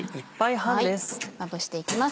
まぶしていきます。